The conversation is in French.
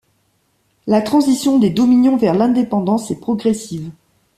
La transition des dominions vers l'indépendance est progressive.